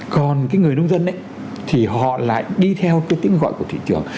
còn cái người nông dân ấy thì họ lại đi theo cái tiếng gọi của thị trường